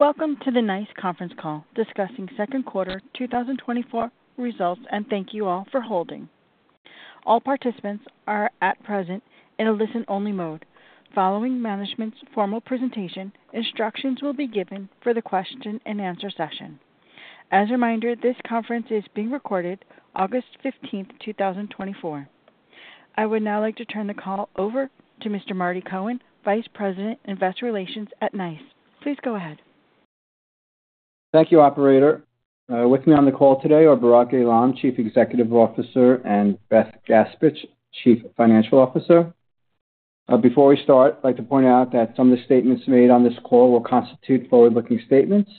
Welcome to the NICE conference call discussing second quarter 2024 results, and thank you all for holding. All participants are at present in a listen-only mode. Following management's formal presentation, instructions will be given for the question and answer session. As a reminder, this conference is being recorded August 15, 2024. I would now like to turn the call over to Mr. Marty Cohen, Vice President, Investor Relations at NICE. Please go ahead. Thank you, operator. With me on the call today are Barak Eilam, Chief Executive Officer, and Beth Gaspich, Chief Financial Officer. Before we start, I'd like to point out that some of the statements made on this call will constitute forward-looking statements.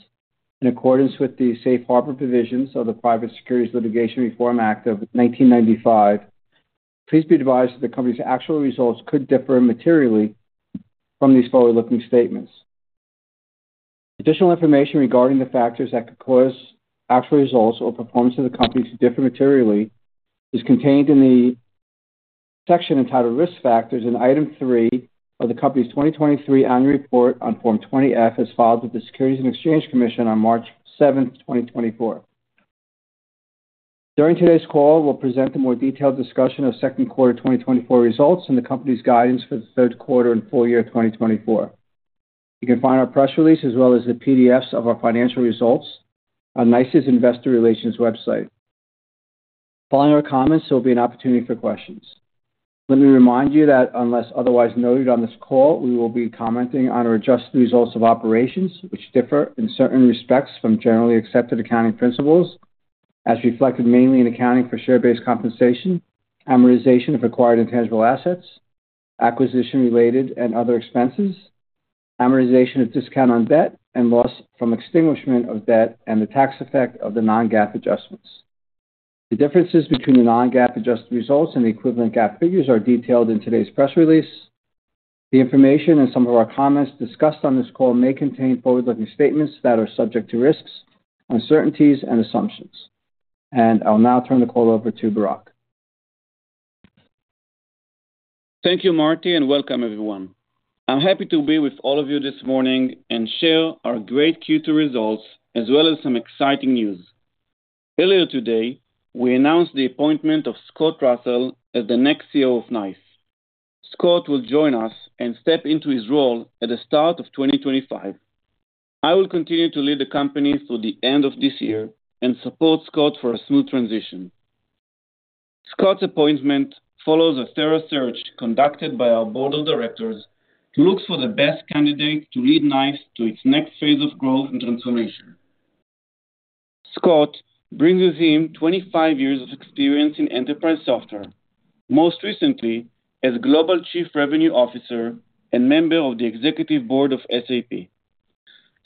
In accordance with the safe harbor provisions of the Private Securities Litigation Reform Act of 1995, please be advised that the company's actual results could differ materially from these forward-looking statements. Additional information regarding the factors that could cause actual results or performance of the company to differ materially is contained in the section entitled Risk Factors in Item 3 of the company's 2023 Annual Report on Form 20-F, as filed with the Securities and Exchange Commission on March 7, 2024. During today's call, we'll present a more detailed discussion of second quarter 2024 results and the company's guidance for the third quarter and full year 2024. You can find our press release as well as the PDFs of our financial results on NICE's investor relations website. Following our comments, there will be an opportunity for questions. Let me remind you that unless otherwise noted on this call, we will be commenting on our adjusted results of operations, which differ in certain respects from Generally Accepted Accounting Principles, as reflected mainly in accounting for share-based compensation, amortization of acquired intangible assets, acquisition-related and other expenses, amortization of discount on debt, and loss from extinguishment of debt, and the tax effect of the non-GAAP adjustments. The differences between the non-GAAP adjusted results and the equivalent GAAP figures are detailed in today's press release. The information in some of our comments discussed on this call may contain forward-looking statements that are subject to risks, uncertainties, and assumptions. I'll now turn the call over to Barak. Thank you, Marty, and welcome everyone. I'm happy to be with all of you this morning and share our great Q2 results, as well as some exciting news. Earlier today, we announced the appointment of Scott Russell as the next CEO of NICE. Scott will join us and step into his role at the start of 2025. I will continue to lead the company through the end of this year and support Scott for a smooth transition. Scott's appointment follows a thorough search conducted by our board of directors, to look for the best candidate to lead NICE to its next phase of growth and transformation. Scott brings with him 25 years of experience in enterprise software, most recently as Global Chief Revenue Officer and member of the Executive Board of SAP.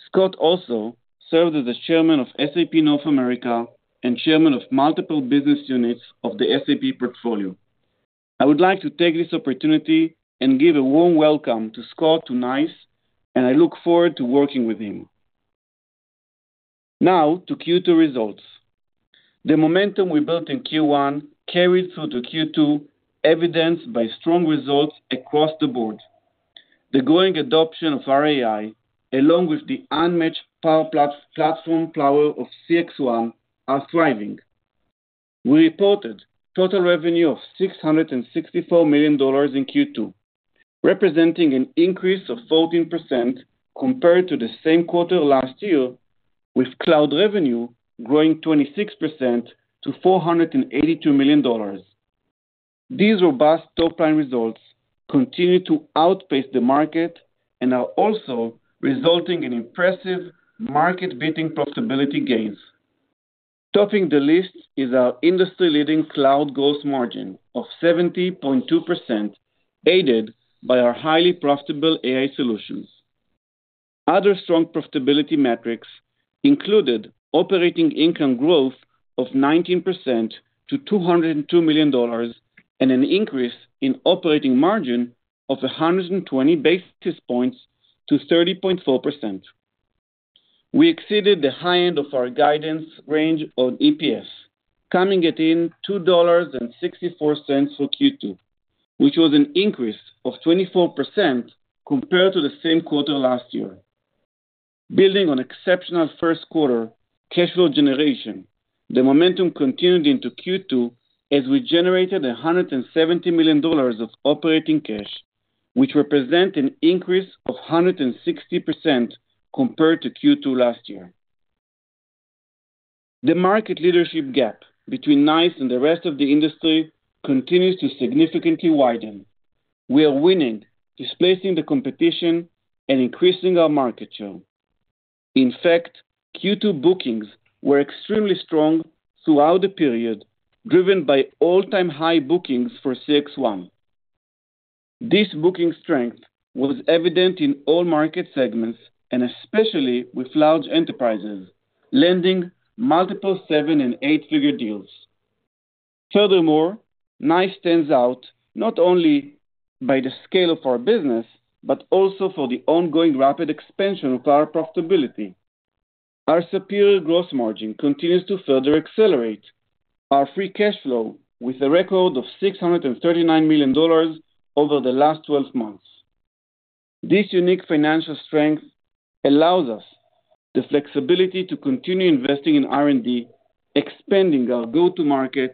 Scott also served as the Chairman of SAP North America and Chairman of multiple business units of the SAP portfolio. I would like to take this opportunity and give a warm welcome to Scott to NICE, and I look forward to working with him. Now to Q2 results. The momentum we built in Q1 carried through to Q2, evidenced by strong results across the board. The growing adoption of our AI, along with the unmatched platform power of CXone, are thriving. We reported total revenue of $664 million in Q2, representing an increase of 14% compared to the same quarter last year, with cloud revenue growing 26% to $482 million. These robust top-line results continue to outpace the market and are also resulting in impressive market-beating profitability gains. Topping the list is our industry-leading cloud gross margin of 70.2%, aided by our highly profitable AI solutions. Other strong profitability metrics included operating income growth of 19% to $202 million, and an increase in operating margin of 120 basis points to 30.4%. We exceeded the high end of our guidance range on EPS, coming in at $2.64 for Q2, which was an increase of 24% compared to the same quarter last year. Building on exceptional first quarter cash flow generation, the momentum continued into Q2, as we generated $170 million of operating cash, which represent an increase of 160% compared to Q2 last year. The market leadership gap between NICE and the rest of the industry continues to significantly widen. We are winning, displacing the competition and increasing our market share. In fact, Q2 bookings were extremely strong throughout the period, driven by all-time high bookings for CXone. This booking strength was evident in all market segments, and especially with large enterprises, landing multiple seven- and eight-figure deals. Furthermore, NICE stands out not only by the scale of our business, but also for the ongoing rapid expansion of our profitability. Our superior gross margin continues to further accelerate our free cash flow with a record of $639 million over the last 12 months. This unique financial strength allows us the flexibility to continue investing in R&D, expanding our go-to-market,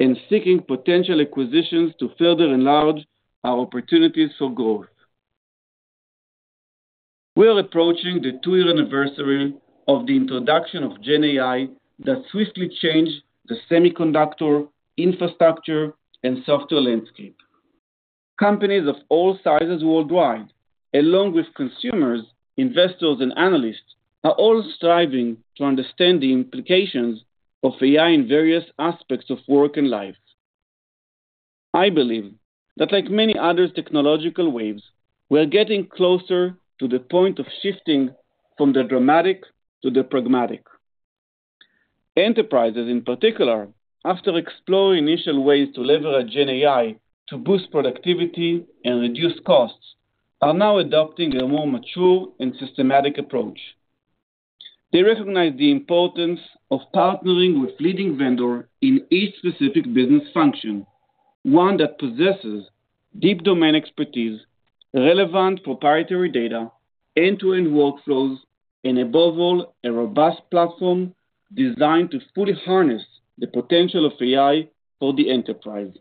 and seeking potential acquisitions to further enlarge our opportunities for growth. We are approaching the two-year anniversary of the introduction of Gen AI that swiftly changed the semiconductor, infrastructure, and software landscape. Companies of all sizes worldwide, along with consumers, investors, and analysts, are all striving to understand the implications of AI in various aspects of work and life. I believe that like many other technological waves, we are getting closer to the point of shifting from the dramatic to the pragmatic. Enterprises, in particular, after exploring initial ways to leverage Gen AI to boost productivity and reduce costs, are now adopting a more mature and systematic approach. They recognize the importance of partnering with leading vendor in each specific business function, one that possesses deep domain expertise, relevant proprietary data, end-to-end workflows, and above all, a robust platform designed to fully harness the potential of AI for the enterprise.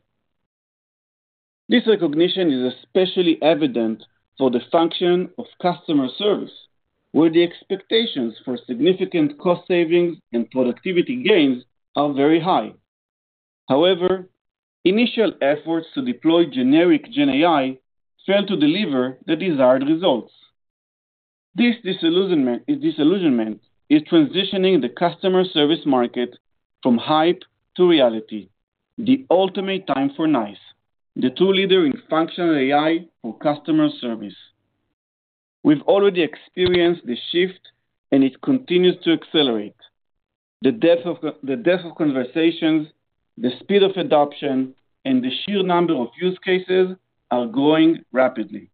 This recognition is especially evident for the function of customer service, where the expectations for significant cost savings and productivity gains are very high. However, initial efforts to deploy generic Gen AI failed to deliver the desired results. This disillusionment, disillusionment is transitioning the customer service market from hype to reality, the ultimate time for NICE, the true leader in functional AI for customer service. We've already experienced this shift, and it continues to accelerate. The depth of conversations, the speed of adoption, and the sheer number of use cases are growing rapidly.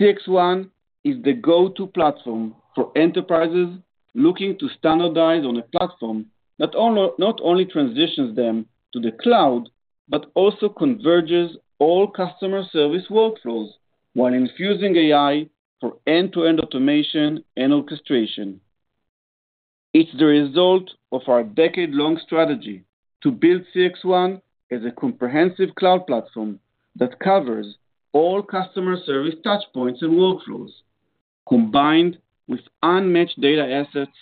CXone is the go-to platform for enterprises looking to standardize on a platform that not only transitions them to the cloud, but also converges all customer service workflows while infusing AI for end-to-end automation and orchestration. It's the result of our decade-long strategy to build CXone as a comprehensive cloud platform that covers all customer service touch points and workflows, combined with unmatched data assets.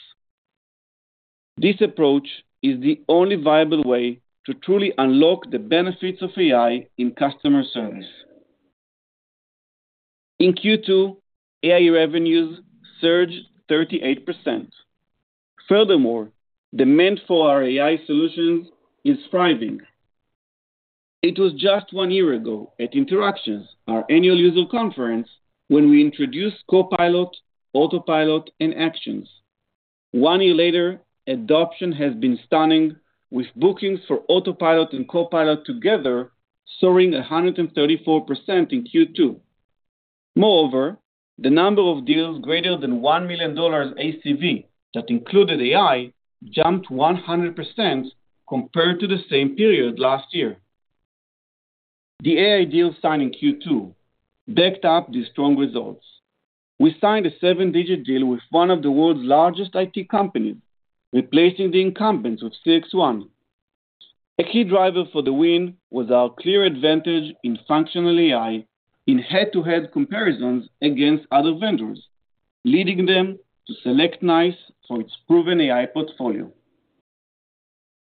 This approach is the only viable way to truly unlock the benefits of AI in customer service. In Q2, AI revenues surged 38%. Furthermore, demand for our AI solutions is thriving. It was just one year ago at Interactions, our annual user conference, when we introduced Copilot, Autopilot, and Actions. One year later, adoption has been stunning, with bookings for Autopilot and Copilot together soaring 134% in Q2. Moreover, the number of deals greater than $1 million ACV, that included AI, jumped 100% compared to the same period last year. The AI deal signed in Q2, backed up these strong results. We signed a seven-digit deal with one of the world's largest IT companies, replacing the incumbents with CXone. A key driver for the win was our clear advantage in functional AI in head-to-head comparisons against other vendors, leading them to select NICE for its proven AI portfolio.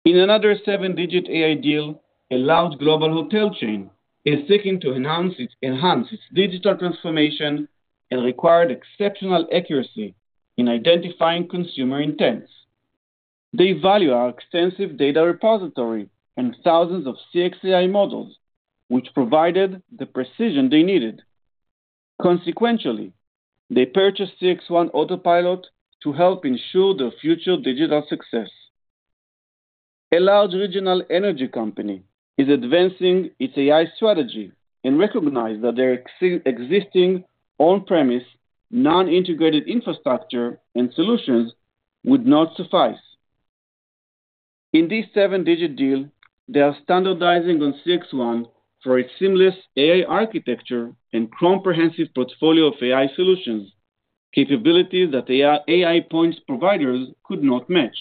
In another seven-digit AI deal, a large global hotel chain is seeking to enhance its digital transformation and required exceptional accuracy in identifying consumer intents. They value our extensive data repository and thousands of CX AI models, which provided the precision they needed. Consequently, they purchased CXone Autopilot to help ensure their future digital success. A large regional energy company is advancing its AI strategy and recognized that their existing on-premise, non-integrated infrastructure and solutions would not suffice. In this seven-digit deal, they are standardizing on CXone for its seamless AI architecture and comprehensive portfolio of AI solutions, capabilities that AI point providers could not match.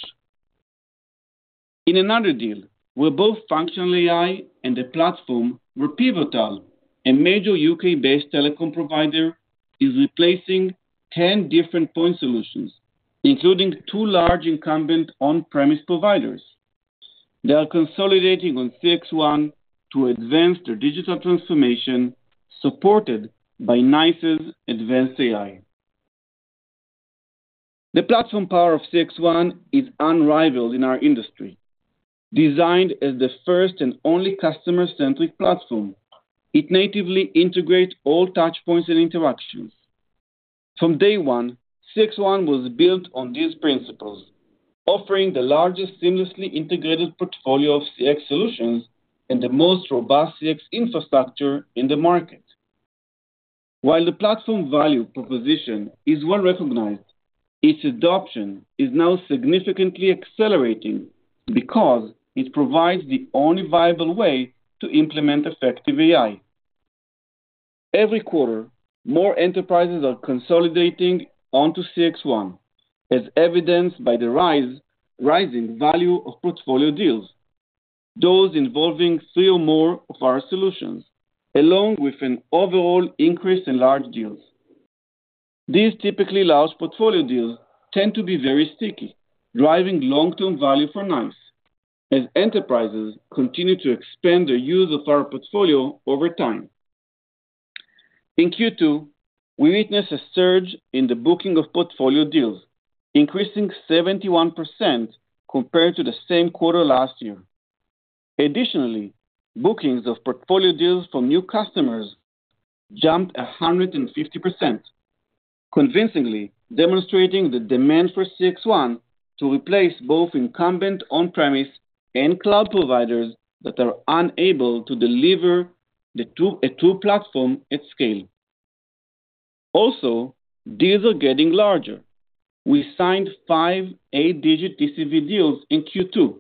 In another deal, where both functional AI and the platform were pivotal, a major UK-based telecom provider is replacing 10 different point solutions, including two large incumbent on-premises providers. They are consolidating on CXone to advance their digital transformation, supported by NICE's advanced AI. The platform power of CXone is unrivaled in our industry. Designed as the first and only customer-centric platform, it natively integrates all touch points and interactions. From day one, CXone was built on these principles, offering the largest seamlessly integrated portfolio of CX solutions and the most robust CX infrastructure in the market. While the platform value proposition is well recognized, its adoption is now significantly accelerating because it provides the only viable way to implement effective AI. Every quarter, more enterprises are consolidating onto CXone, as evidenced by the rising value of portfolio deals, those involving three or more of our solutions, along with an overall increase in large deals. These typically large portfolio deals tend to be very sticky, driving long-term value for NICE, as enterprises continue to expand their use of our portfolio over time. In Q2, we witnessed a surge in the booking of portfolio deals, increasing 71% compared to the same quarter last year. Additionally, bookings of portfolio deals from new customers jumped 150%, convincingly demonstrating the demand for CXone to replace both incumbent on-premise and cloud providers that are unable to deliver a true platform at scale. Also, deals are getting larger. We signed five eight-digit TCV deals in Q2.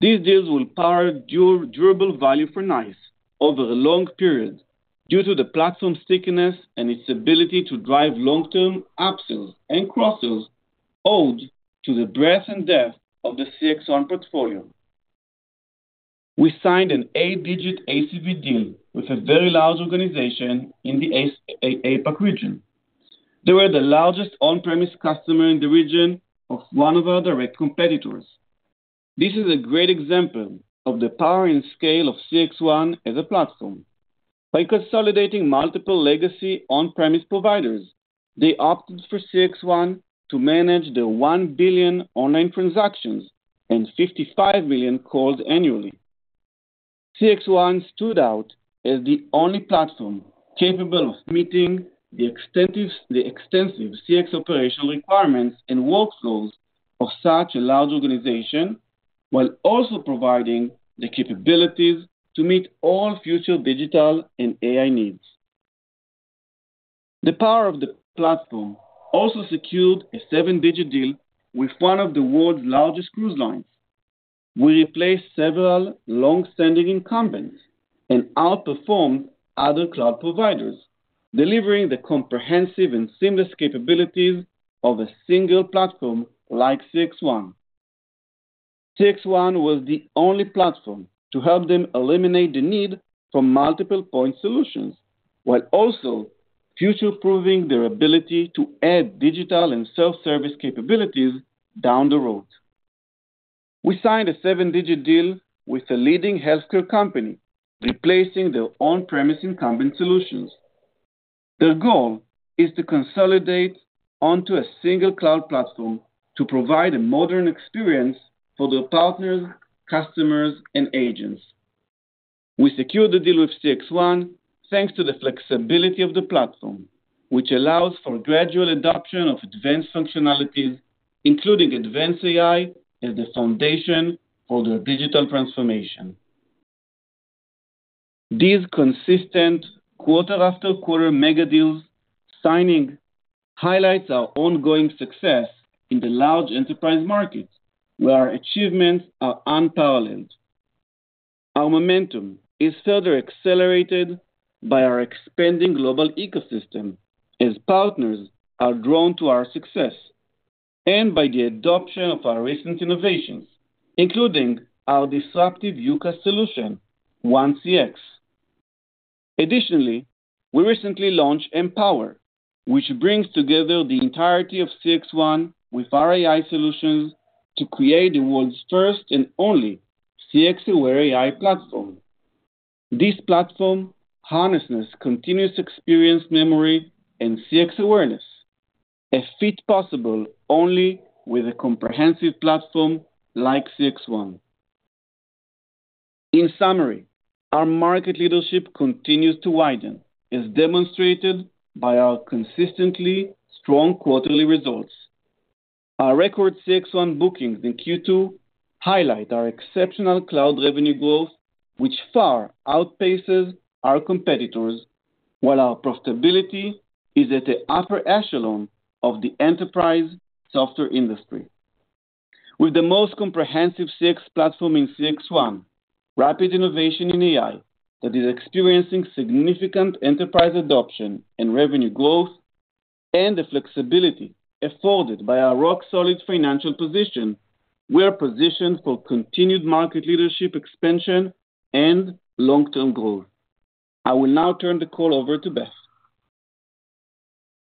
These deals will power durable value for NICE over a long period due to the platform's stickiness and its ability to drive long-term upsells and cross-sells, owed to the breadth and depth of the CXone portfolio. We signed an eight-digit ACV deal with a very large organization in the APAC region. They were the largest on-premise customer in the region of one of our direct competitors. This is a great example of the power and scale of CXone as a platform. By consolidating multiple legacy on-premise providers, they opted for CXone to manage their 1 billion online transactions and 55 million calls annually. CXone stood out as the only platform capable of meeting the extensive CX operational requirements and workflows of such a large organization, while also providing the capabilities to meet all future digital and AI needs. The power of the platform also secured a seven-digit deal with one of the world's largest cruise lines. We replaced several long-standing incumbents and outperformed other cloud providers, delivering the comprehensive and seamless capabilities of a single platform like CXone. CXone was the only platform to help them eliminate the need for multiple point solutions, while also future-proofing their ability to add digital and self-service capabilities down the road. We signed a seven-digit deal with a leading healthcare company, replacing their on-premise incumbent solutions. Their goal is to consolidate onto a single cloud platform to provide a modern experience for their partners, customers, and agents. We secured the deal with CXone, thanks to the flexibility of the platform, which allows for gradual adoption of advanced functionalities, including advanced AI, as the foundation for their digital transformation. These consistent quarter-over-quarter mega-deals signings highlight our ongoing success in the large enterprise markets, where our achievements are unparalleled. Our momentum is further accelerated by our expanding global ecosystem, as partners are drawn to our success, and by the adoption of our recent innovations, including our disruptive UCaaS solution, 1CX. Additionally, we recently launched Mpower, which brings together the entirety of CXone with our AI solutions to create the world's first and only CX-aware AI platform. This platform harnesses continuous experience, memory, and CX awareness, a feat possible only with a comprehensive platform like CXone. In summary, our market leadership continues to widen, as demonstrated by our consistently strong quarterly results. Our record CXone bookings in Q2 highlight our exceptional cloud revenue growth, which far outpaces our competitors, while our profitability is at the upper echelon of the enterprise software industry. With the most comprehensive CX platform in CXone, rapid innovation in AI that is experiencing significant enterprise adoption and revenue growth, and the flexibility afforded by our rock-solid financial position, we are positioned for continued market leadership expansion and long-term growth. I will now turn the call over to Beth.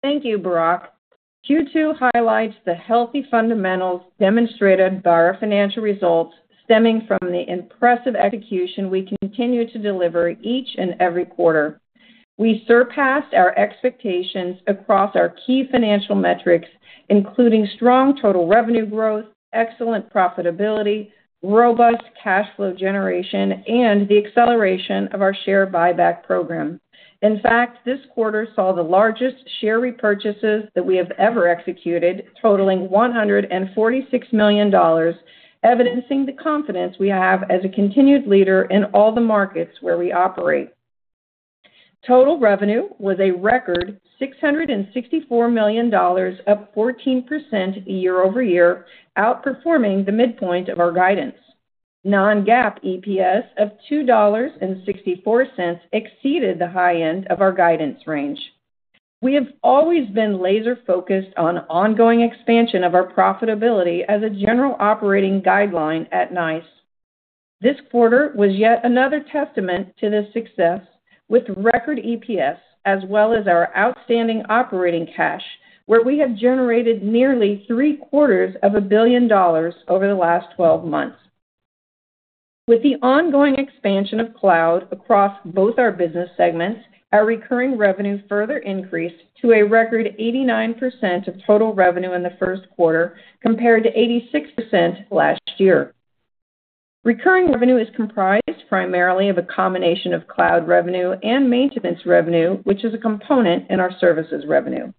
Thank you, Barak. Q2 highlights the healthy fundamentals demonstrated by our financial results, stemming from the impressive execution we continue to deliver each and every quarter. We surpassed our expectations across our key financial metrics, including strong total revenue growth, excellent profitability, robust cash flow generation, and the acceleration of our share buyback program. In fact, this quarter saw the largest share repurchases that we have ever executed, totaling $146 million, evidencing the confidence we have as a continued leader in all the markets where we operate. Total revenue was a record $664 million, up 14% year-over-year, outperforming the midpoint of our guidance. Non-GAAP EPS of $2.64 exceeded the high end of our guidance range. We have always been laser-focused on ongoing expansion of our profitability as a general operating guideline at NICE. This quarter was yet another testament to this success, with record EPS as well as our outstanding operating cash, where we have generated nearly $750 million over the last 12 months. With the ongoing expansion of cloud across both our business segments, our recurring revenue further increased to a record 89% of total revenue in the first quarter, compared to 86% last year. Recurring revenue is comprised primarily of a combination of cloud revenue and maintenance revenue, which is a component in our services revenue.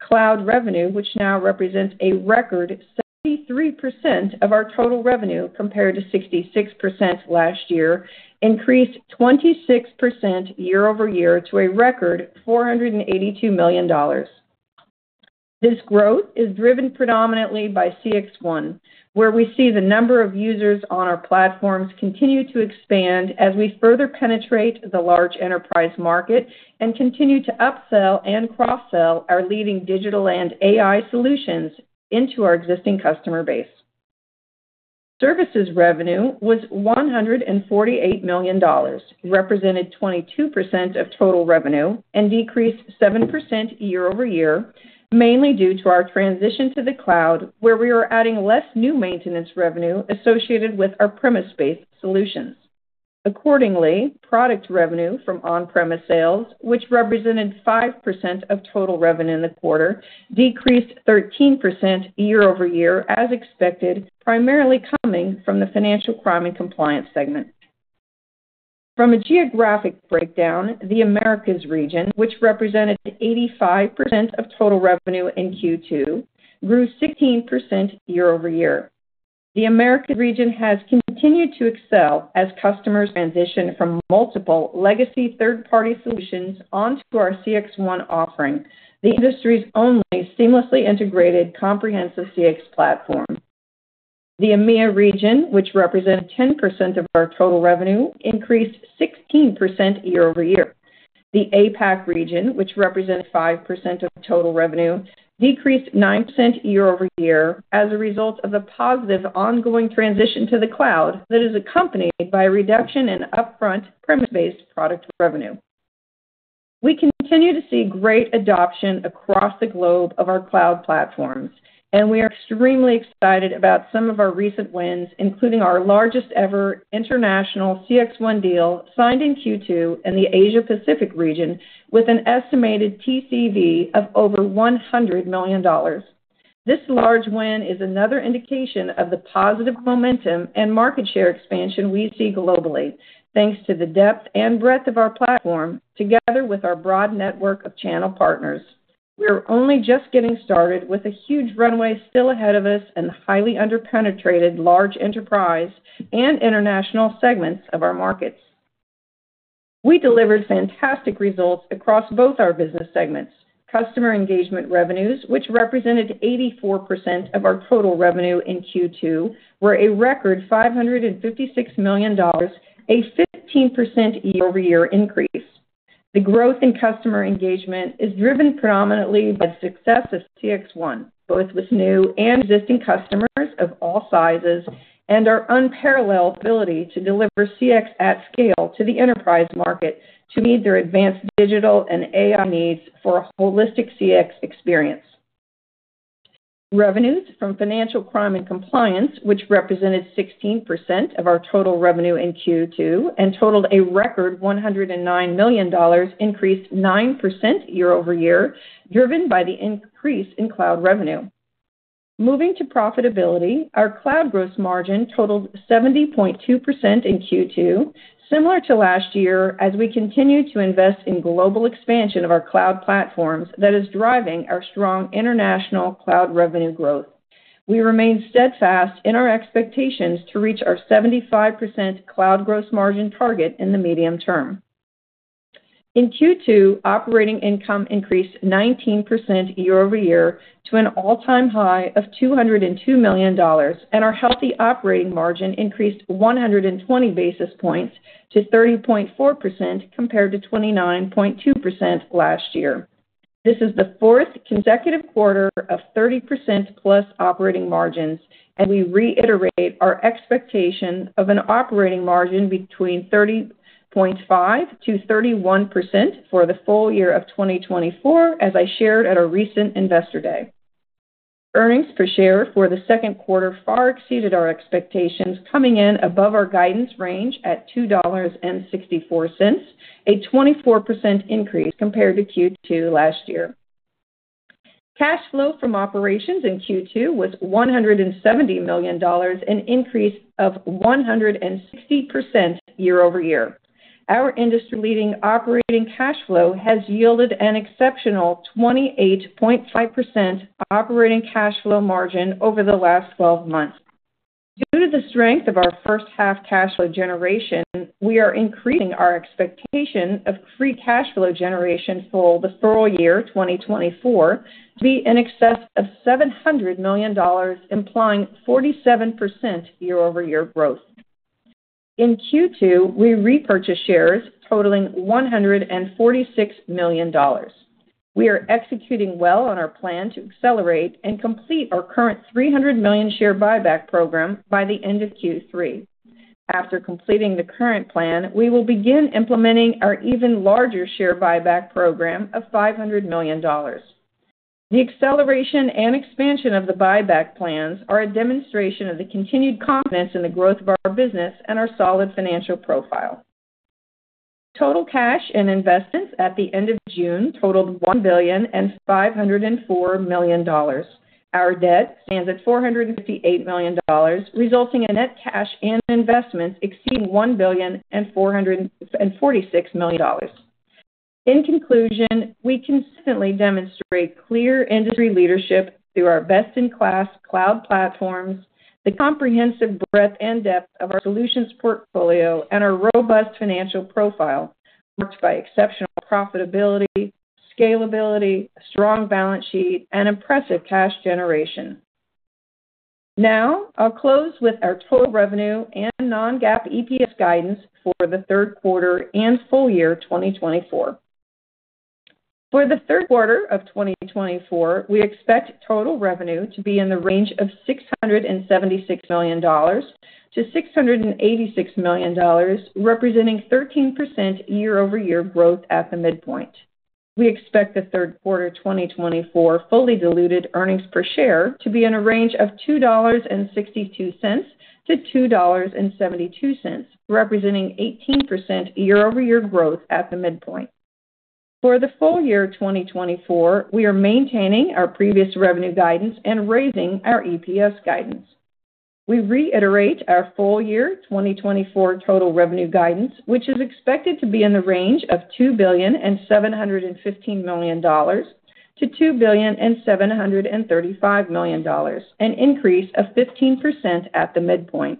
Cloud revenue, which now represents a record 73% of our total revenue, compared to 66% last year, increased 26% year-over-year to a record $482 million. This growth is driven predominantly by CXone, where we see the number of users on our platforms continue to expand as we further penetrate the large enterprise market and continue to upsell and cross-sell our leading digital and AI solutions into our existing customer base. Services revenue was $148 million, represented 22% of total revenue, and decreased 7% year-over-year, mainly due to our transition to the cloud, where we are adding less new maintenance revenue associated with our premise-based solutions. Accordingly, product revenue from on-premise sales, which represented 5% of total revenue in the quarter, decreased 13% year-over-year as expected, primarily coming from the Financial Crime and Compliance segment. From a geographic breakdown, the Americas region, which represented 85% of total revenue in Q2, grew 16% year-over-year. The Americas region has continued to excel as customers transition from multiple legacy third-party solutions onto our CXone offering, the industry's only seamlessly integrated, comprehensive CX platform. The EMEA region, which represents 10% of our total revenue, increased 16% year-over-year. The APAC region, which represents 5% of total revenue, decreased 9% year-over-year as a result of a positive ongoing transition to the cloud that is accompanied by a reduction in upfront premise-based product revenue. We continue to see great adoption across the globe of our cloud platforms, and we are extremely excited about some of our recent wins, including our largest-ever international CXone deal signed in Q2 in the Asia Pacific region, with an estimated TCV of over $100 million. This large win is another indication of the positive momentum and market share expansion we see globally, thanks to the depth and breadth of our platform, together with our broad network of channel partners. We're only just getting started, with a huge runway still ahead of us and highly underpenetrated large enterprise and international segments of our markets. We delivered fantastic results across both our business segments. Customer Engagement revenues, which represented 84% of our total revenue in Q2, were a record $556 million, a 15% year-over-year increase. The growth in Customer Engagement is driven predominantly by the success of CXone, both with new and existing customers of all sizes, and our unparalleled ability to deliver CX at scale to the enterprise market to meet their advanced digital and AI needs for a holistic CX experience. Revenues from Financial Crime and Compliance, which represented 16% of our total revenue in Q2 and totaled a record $109 million, increased 9% year-over-year, driven by the increase in cloud revenue. Moving to profitability, our cloud gross margin totaled 70.2% in Q2, similar to last year, as we continue to invest in global expansion of our cloud platforms that is driving our strong international cloud revenue growth. We remain steadfast in our expectations to reach our 75% cloud gross margin target in the medium term. In Q2, operating income increased 19% year-over-year to an all-time high of $202 million, and our healthy operating margin increased 120 basis points to 30.4%, compared to 29.2% last year. This is the fourth consecutive quarter of 30%+ operating margins, and we reiterate our expectation of an operating margin between 30.5%-31% for the full year of 2024, as I shared at our recent Investor Day. Earnings per share for the second quarter far exceeded our expectations, coming in above our guidance range at $2.64, a 24% increase compared to Q2 last year. Cash flow from operations in Q2 was $170 million, an increase of 160% year-over-year. Our industry-leading operating cash flow has yielded an exceptional 28.5% operating cash flow margin over the last 12 months. Due to the strength of our first half cash flow generation, we are increasing our expectation of free cash flow generation for the full year 2024 to be in excess of $700 million, implying 47% year-over-year growth. In Q2, we repurchased shares totaling $146 million. We are executing well on our plan to accelerate and complete our current $300 million share buyback program by the end of Q3. After completing the current plan, we will begin implementing our even larger share buyback program of $500 million. The acceleration and expansion of the buyback plans are a demonstration of the continued confidence in the growth of our business and our solid financial profile. Total cash and investments at the end of June totaled $1.504 billion. Our debt stands at $458 million, resulting in net cash and investments exceeding $1.446 billion. In conclusion, we consistently demonstrate clear industry leadership through our best-in-class cloud platforms, the comprehensive breadth and depth of our solutions portfolio, and our robust financial profile, marked by exceptional profitability, scalability, strong balance sheet, and impressive cash generation. Now, I'll close with our total revenue and non-GAAP EPS guidance for the third quarter and full year 2024. For the third quarter of 2024, we expect total revenue to be in the range of $676 million-$686 million, representing 13% year-over-year growth at the midpoint. We expect the third quarter of 2024 fully diluted earnings per share to be in a range of $2.62-$2.72, representing 18% year-over-year growth at the midpoint. For the full year 2024, we are maintaining our previous revenue guidance and raising our EPS guidance. We reiterate our full year 2024 total revenue guidance, which is expected to be in the range of $2.715 billion-$2.735 billion, an increase of 15% at the midpoint.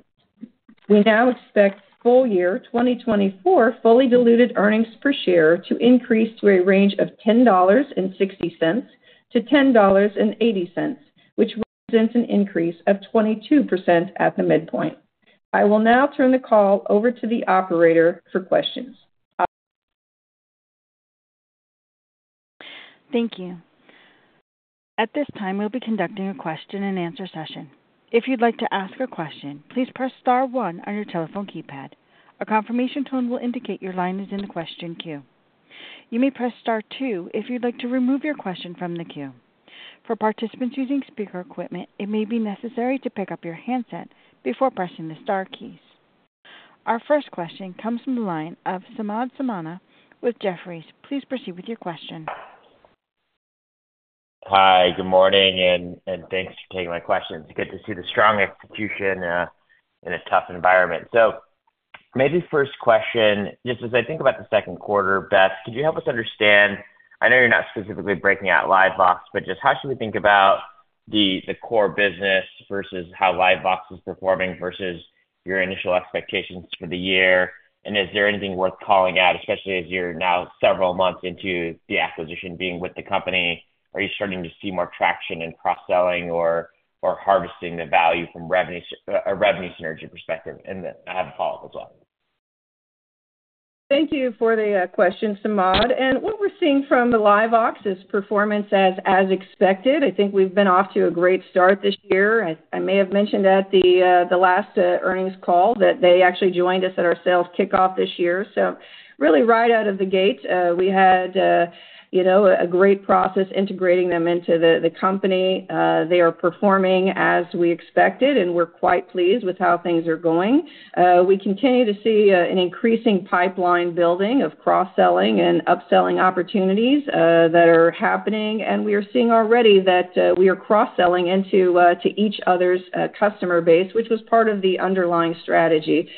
We now expect full year 2024 fully diluted earnings per share to increase to a range of $10.60-$10.80, which represents an increase of 22% at the midpoint. I will now turn the call over to the operator for questions. Thank you. At this time, we'll be conducting a question-and-answer session. If you'd like to ask a question, please press star one on your telephone keypad. A confirmation tone will indicate your line is in the question queue. You may press star two if you'd like to remove your question from the queue. For participants using speaker equipment, it may be necessary to pick up your handset before pressing the star keys. Our first question comes from the line of Samad Samana with Jefferies. Please proceed with your question. Hi, good morning, and thanks for taking my questions. It's good to see the strong execution in a tough environment. So maybe first question, just as I think about the second quarter, Beth, could you help us understand? I know you're not specifically breaking out LiveVox, but just how should we think about the core business versus how LiveVox is performing versus your initial expectations for the year? And is there anything worth calling out, especially as you're now several months into the acquisition being with the company? Are you starting to see more traction in cross-selling or harvesting the value from revenue, a revenue synergy perspective? And then I have a follow-up as well. Thank you for the question, Samad. What we're seeing from the LiveVox is performance as expected. I think we've been off to a great start this year. I may have mentioned at the last earnings call that they actually joined us at our sales kickoff this year. Really right out of the gate, we had you know, a great process integrating them into the company. They are performing as we expected, and we're quite pleased with how things are going. We continue to see an increasing pipeline building of cross-selling and upselling opportunities that are happening, and we are seeing already that we are cross-selling into to each other's customer base, which was part of the underlying strategy.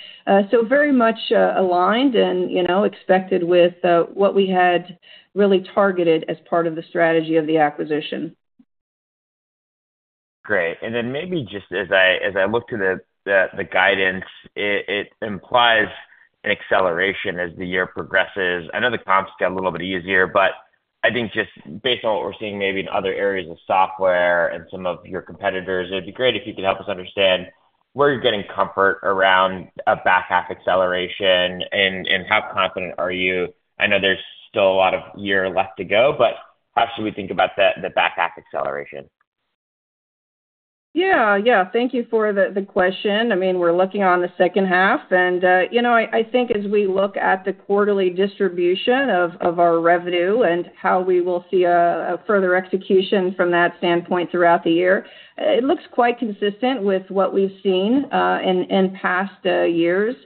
So very much aligned and, you know, expected with what we had really targeted as part of the strategy of the acquisition. Great. And then maybe just as I look to the guidance, it implies an acceleration as the year progresses. I know the comps get a little bit easier, but I think just based on what we're seeing maybe in other areas of software and some of your competitors, it'd be great if you could help us understand where you're getting comfort around a back-half acceleration, and how confident are you? I know there's still a lot of year left to go, but how should we think about the back-half acceleration? Yeah. Yeah, thank you for the question. I mean, we're looking on the second half, and, you know, I think as we look at the quarterly distribution of our revenue and how we will see a further execution from that standpoint throughout the year, it looks quite consistent with what we've seen in past years.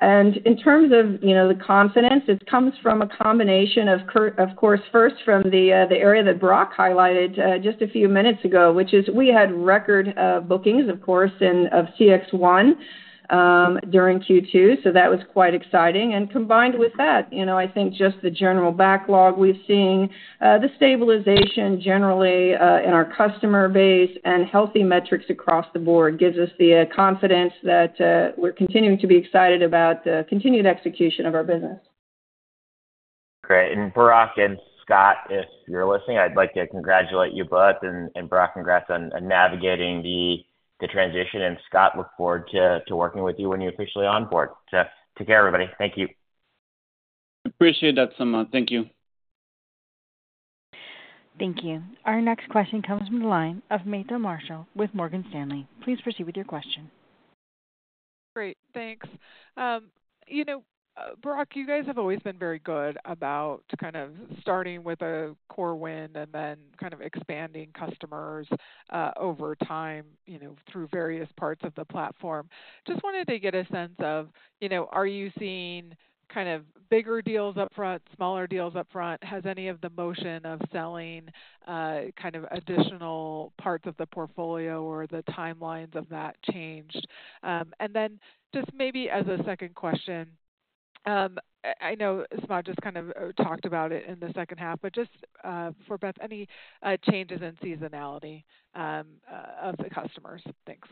And in terms of, you know, the confidence, it comes from a combination of course, first from the area that Barak highlighted just a few minutes ago, which is we had record bookings, of course, in CXone during Q2, so that was quite exciting. Combined with that, you know, I think just the general backlog we've seen, the stabilization generally, in our customer base and healthy metrics across the board gives us the confidence that we're continuing to be excited about the continued execution of our business. Great. And Barak and Scott, if you're listening, I'd like to congratulate you both, and Barak, congrats on navigating the transition, and Scott, look forward to working with you when you're officially on board. So take care, everybody. Thank you. Appreciate that, Samad. Thank you. Thank you. Our next question comes from the line of Meta Marshall with Morgan Stanley. Please proceed with your question. Great, thanks. You know, Barak, you guys have always been very good about kind of starting with a core win and then kind of expanding customers over time, you know, through various parts of the platform. Just wanted to get a sense of, you know, are you seeing kind of bigger deals up front, smaller deals up front? Has any of the motion of selling kind of additional parts of the portfolio or the timelines of that changed? And then just maybe as a second question, I know Marty just kind of talked about it in the second half, but just for Beth, any changes in seasonality of the customers? Thanks.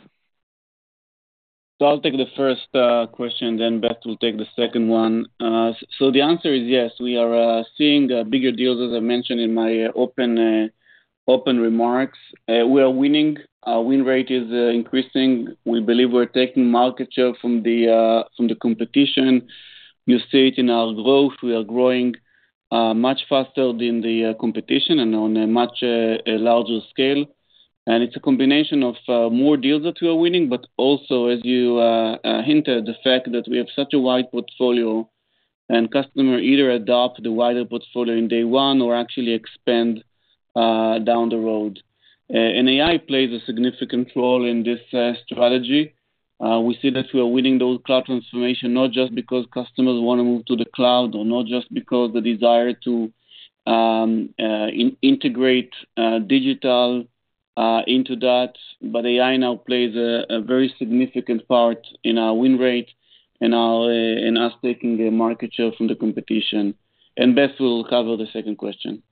So I'll take the first question, then Beth will take the second one. So the answer is yes, we are seeing the bigger deals, as I mentioned in my opening remarks. We are winning. Our win rate is increasing. We believe we're taking market share from the competition. We see it in our growth. We are growing much faster than the competition and on a much larger scale. And it's a combination of more deals that we are winning, but also, as you hinted, the fact that we have such a wide portfolio and customers either adopt the wider portfolio in day one or actually expand down the road. And AI plays a significant role in this strategy. We see that we are winning those cloud transformation, not just because customers wanna move to the cloud or not just because the desire to integrate digital into that, but AI now plays a very significant part in our win rate and our in us taking the market share from the competition. And Beth will cover the second question.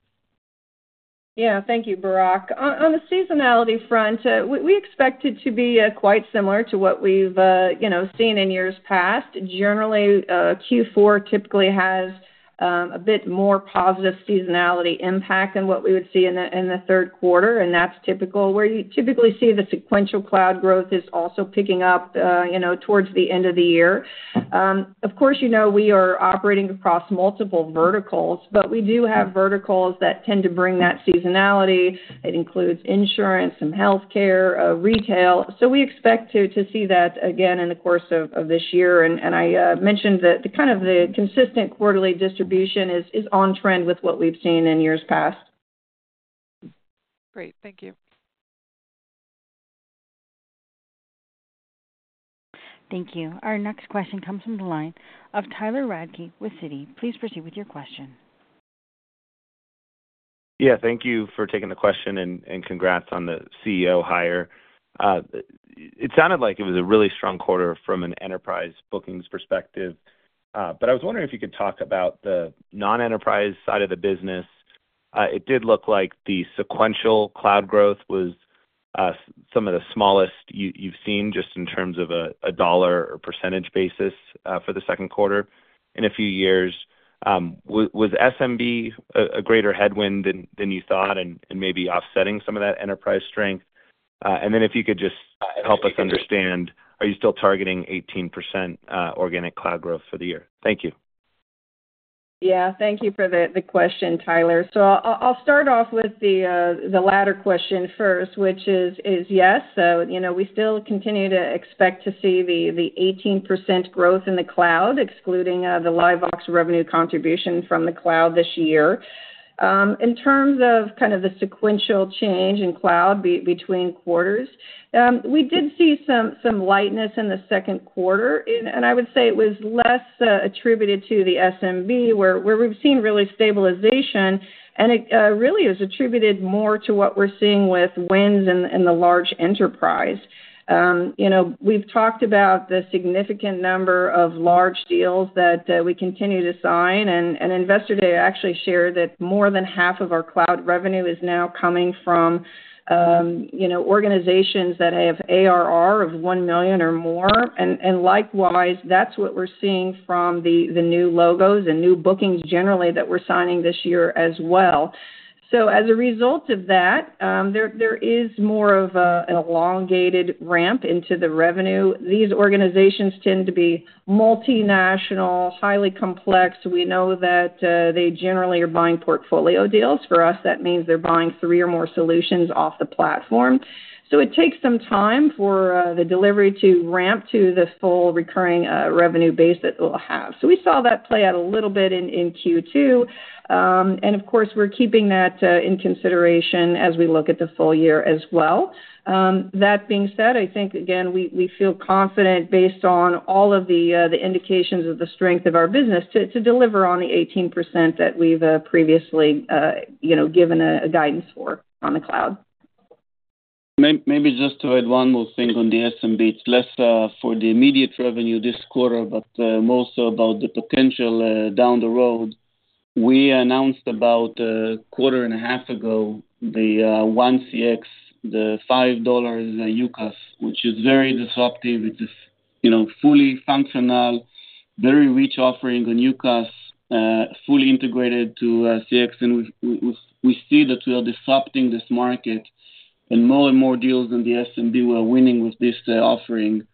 Yeah. Thank you, Barak. On the seasonality front, we expect it to be quite similar to what we've, you know, seen in years past. Generally, Q4 typically has a bit more positive seasonality impact than what we would see in the third quarter, and that's typical. Where you typically see the sequential cloud growth is also picking up, you know, towards the end of the year. Of course, you know, we are operating across multiple verticals, but we do have verticals that tend to bring that seasonality. It includes insurance and healthcare, retail. So we expect to see that again in the course of this year. And I mentioned that the kind of the consistent quarterly distribution is on trend with what we've seen in years past. Great. Thank you. Thank you. Our next question comes from the line of Tyler Radke with Citi. Please proceed with your question. Yeah, thank you for taking the question, and congrats on the CEO hire. It sounded like it was a really strong quarter from an enterprise bookings perspective, but I was wondering if you could talk about the non-enterprise side of the business. It did look like the sequential cloud growth was some of the smallest you've seen, just in terms of a dollar or percentage basis, for the second quarter in a few years. Was SMB a greater headwind than you thought and maybe offsetting some of that enterprise strength? And then if you could just help us understand, are you still targeting 18% organic cloud growth for the year? Thank you. Yeah, thank you for the question, Tyler. So I'll start off with the latter question first, which is yes. So, you know, we still continue to expect to see the 18% growth in the cloud, excluding the LiveVox revenue contribution from the cloud this year. In terms of kind of the sequential change in cloud between quarters, we did see some lightness in the second quarter. And I would say it was less attributed to the SMB, where we've seen really stabilization, and it really is attributed more to what we're seeing with wins in the large enterprise. You know, we've talked about the significant number of large deals that we continue to sign, and Investor Day actually shared that more than half of our cloud revenue is now coming from, you know, organizations that have ARR of $1 million or more. Likewise, that's what we're seeing from the new logos and new bookings generally that we're signing this year as well. So as a result of that, there is more of an elongated ramp into the revenue. These organizations tend to be multinational, highly complex. We know that they generally are buying portfolio deals. For us, that means they're buying three or more solutions off the platform. So it takes some time for the delivery to ramp to the full recurring revenue base that we'll have. So we saw that play out a little bit in Q2. And of course, we're keeping that in consideration as we look at the full year as well. That being said, I think, again, we feel confident based on all of the indications of the strength of our business to deliver on the 18% that we've previously you know given a guidance for on the cloud. Maybe just to add one more thing on the SMB. It's less for the immediate revenue this quarter, but more so about the potential down the road. We announced about a quarter and a half ago, the 1CX, the $5 UCaaS, which is very disruptive. It is, you know, fully functional, very rich offering, the UCaaS, fully integrated to CXone, and we see that we are disrupting this market, and more and more deals in the SMB we're winning with this offering.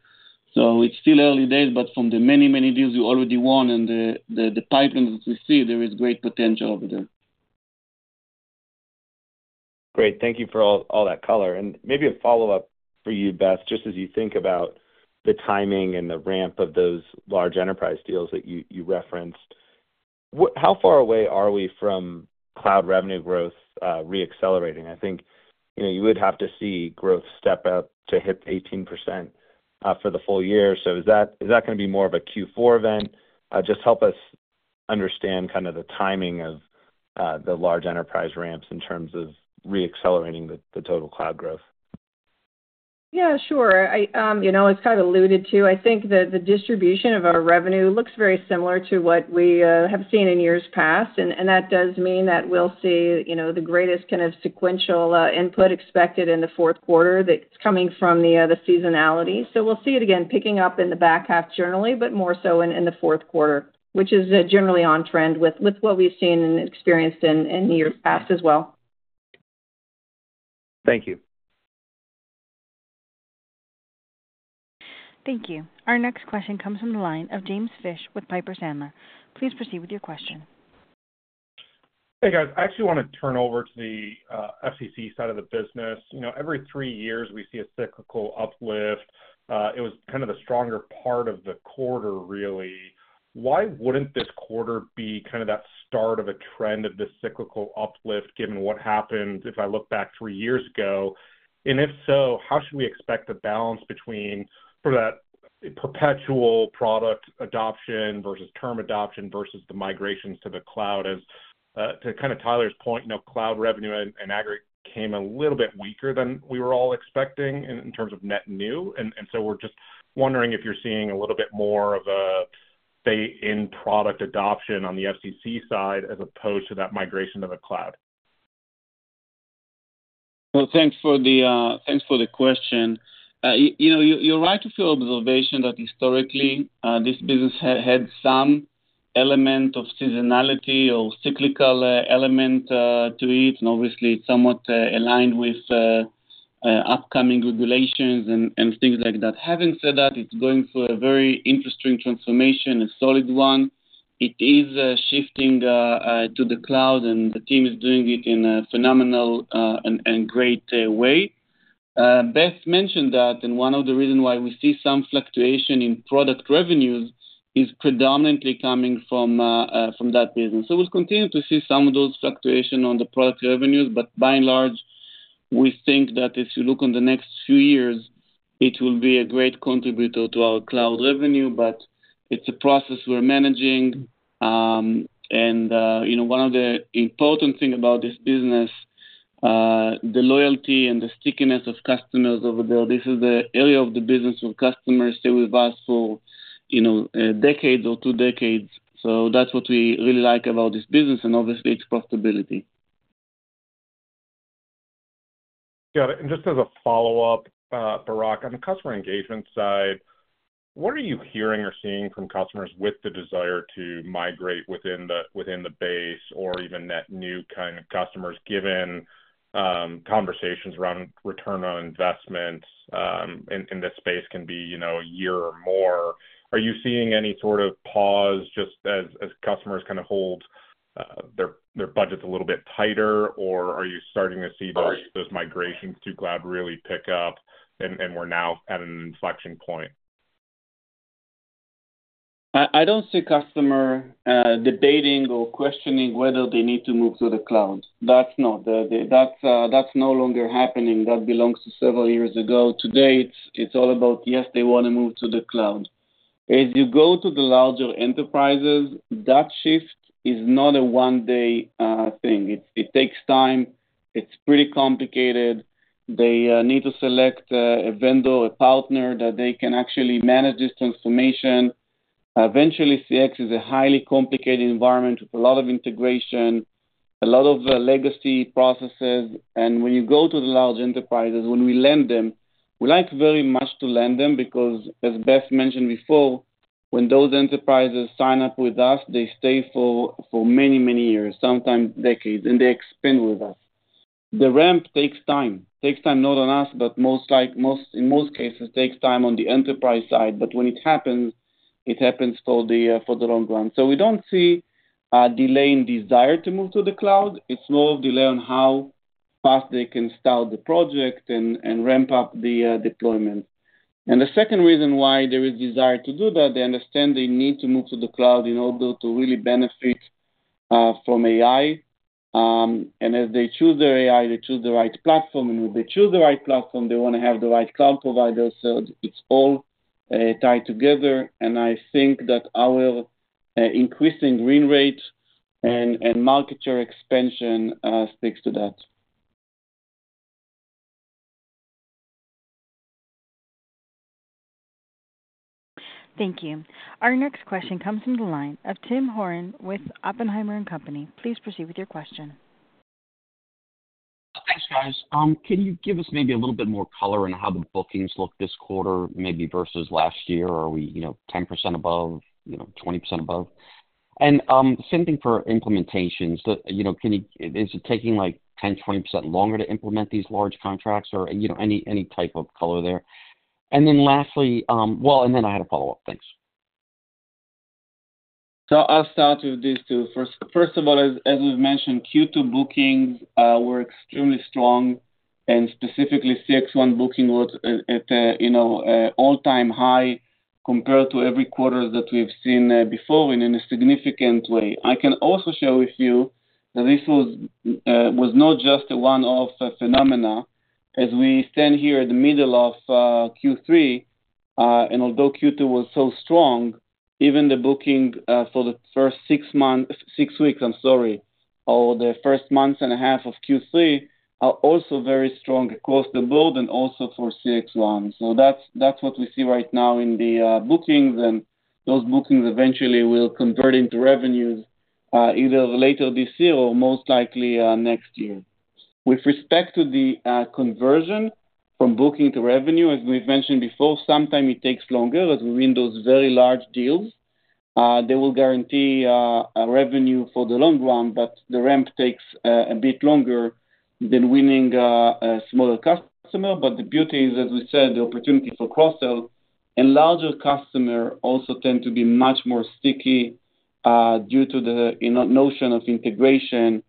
So it's still early days, but from the many, many deals we already won and the pipelines, as we see, there is great potential over there. Great. Thank you for all, all that color. And maybe a follow-up for you, Beth, just as you think about the timing and the ramp of those large enterprise deals that you, you referenced, what—how far away are we from cloud revenue growth reaccelerating? I think, you know, you would have to see growth step up to hit 18% for the full year. So is that, is that going to be more of a Q4 event? Just help us understand kind of the timing of the large enterprise ramps in terms of reaccelerating the, the total cloud growth. Yeah, sure. I, you know, as kind of alluded to, I think the, the distribution of our revenue looks very similar to what we have seen in years past, and, and that does mean that we'll see, you know, the greatest kind of sequential input expected in the fourth quarter that's coming from the, the seasonality. So we'll see it again, picking up in the back half generally, but more so in, in the fourth quarter, which is generally on trend with, with what we've seen and experienced in, in years past as well. Thank you. Thank you. Our next question comes from the line of James Fish with Piper Sandler. Please proceed with your question. Hey, guys. I actually want to turn over to the FCC side of the business. You know, every three years, we see a cyclical uplift. It was kind of the stronger part of the quarter, really. Why wouldn't this quarter be kind of that start of a trend of this cyclical uplift, given what happened if I look back three years ago? And if so, how should we expect the balance between sort of that perpetual product adoption versus term adoption versus the migrations to the cloud? As to kind of Tyler's point, you know, cloud revenue and aggregate came a little bit weaker than we were all expecting in terms of net new. And so we're just wondering if you're seeing a little bit more of a stay in product adoption on the FCC side, as opposed to that migration to the cloud. Well, thanks for the question. You know, you're right with your observation that historically, this business had some element of seasonality or cyclical element to it, and obviously, it's somewhat aligned with upcoming regulations and things like that. Having said that, it's going through a very interesting transformation, a solid one. It is shifting to the cloud, and the team is doing it in a phenomenal and great way. Beth mentioned that, and one of the reason why we see some fluctuation in product revenues is predominantly coming from that business. So we'll continue to see some of those fluctuation on the product revenues, but by and large, we think that if you look on the next few years, it will be a great contributor to our cloud revenue, but it's a process we're managing. You know, one of the important thing about this business, the loyalty and the stickiness of customers over there, this is the area of the business where customers stay with us for, you know, decades or two decades. So that's what we really like about this business, and obviously, it's profitability. Got it. And just as a follow-up, Barak, on the Customer Engagement side, what are you hearing or seeing from customers with the desire to migrate within the base or even net new kind of customers, given conversations around return on investments, and this space can be, you know, a year or more? Are you seeing any sort of pause as customers kind of hold their budgets a little bit tighter, or are you starting to see those migrations to cloud really pick up, and we're now at an inflection point? I don't see customers debating or questioning whether they need to move to the cloud. That's not the... That's no longer happening. That belongs to several years ago. Today, it's all about yes, they want to move to the cloud. As you go to the larger enterprises, that shift is not a one-day thing. It takes time. It's pretty complicated. They need to select a vendor, a partner that they can actually manage this transformation. Eventually, CX is a highly complicated environment with a lot of integration, a lot of legacy processes. And when you go to the large enterprises, when we land them, we like very much to land them because, as Beth mentioned before, when those enterprises sign up with us, they stay for many years, sometimes decades, and they expand with us. The ramp takes time. Takes time, not on us, but most like, most, in most cases, takes time on the enterprise side. But when it happens, it happens for the long run. So we don't see a delay in desire to move to the cloud. It's more of delay on how fast they can start the project and ramp up the deployment. And the second reason why there is desire to do that, they understand they need to move to the cloud in order to really benefit from AI. And as they choose their AI, they choose the right platform, and when they choose the right platform, they want to have the right cloud provider. So it's all tied together, and I think that our increasing win rate and market share expansion speaks to that. Thank you. Our next question comes from the line of Tim Horan with Oppenheimer & Co. Please proceed with your question. Thanks, guys. Can you give us maybe a little bit more color on how the bookings look this quarter, maybe versus last year? Are we, you know, 10% above, you know, 20% above? And same thing for implementations. You know, can you? Is it taking like 10, 20% longer to implement these large contracts or, you know, any type of color there? And then lastly, well, and then I had a follow-up. Thanks. So I'll start with these two. First of all, as we've mentioned, Q2 bookings were extremely strong and specifically CXone booking was at a you know all-time high compared to every quarter that we've seen before and in a significant way. I can also share with you that this was not just a one-off phenomenon. As we stand here in the middle of Q3 and although Q2 was so strong, even the booking for the first six months, six weeks, I'm sorry, or the first month and a half of Q3 are also very strong across the board and also for CXone. So that's what we see right now in the bookings, and those bookings eventually will convert into revenues either later this year or most likely next year. With respect to the conversion from booking to revenue, as we've mentioned before, sometimes it takes longer as we win those very large deals. They will guarantee a revenue for the long run, but the ramp takes a bit longer than winning a smaller customer. But the beauty is, as we said, the opportunity for cross-sell and larger customer also tend to be much more sticky due to the, you know, notion of integration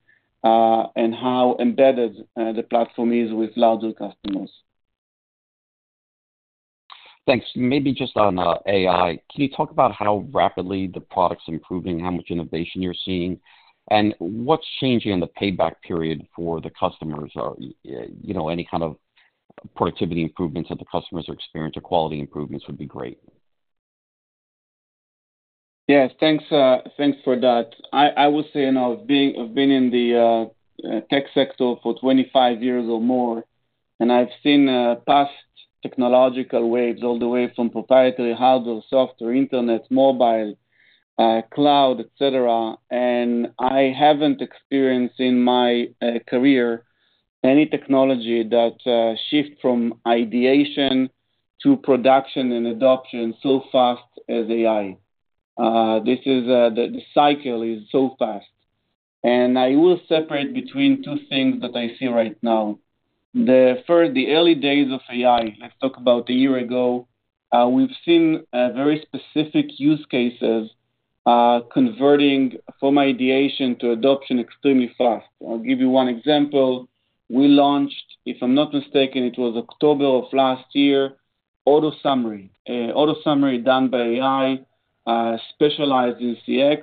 and how embedded the platform is with larger customers. Thanks. Maybe just on AI, can you talk about how rapidly the product's improving, how much innovation you're seeing, and what's changing in the payback period for the customers? Or, you know, any kind of productivity improvements that the customers are experiencing or quality improvements would be great. Yes, thanks, thanks for that. I would say, you know, I've been in the tech sector for 25 years or more, and I've seen past technological waves all the way from proprietary hardware, software, internet, mobile, cloud, et cetera. And I haven't experienced in my career any technology that shift from ideation to production and adoption so fast as AI. This is. The cycle is so fast. And I will separate between two things that I see right now. The first, the early days of AI, let's talk about a year ago. We've seen very specific use cases converting from ideation to adoption extremely fast. I'll give you one example. We launched, if I'm not mistaken, it was October of last year, AutoSummary. AutoSummary done by AI, specialized in CX.